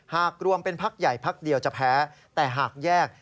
หากรวมเป็นพักใหญ่พักเดียวจะแพ้แต่หากแยก